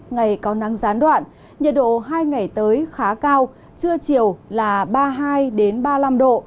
nhiệt độ hai ngày tới khá cao trưa chiều là ba mươi hai đến ba mươi năm độ